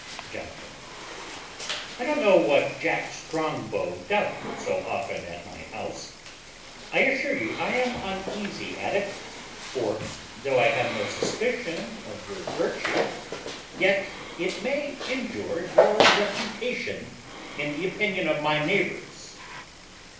Jonathan. I don't know what Jack Strongbow doth so often at my house. I assure you I am uneasy at it; for, though I have no suspicion of your virtue, yet it may injure your reputation in the opinion of my neighbours.